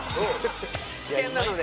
危険なので。